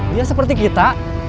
dia seperti kita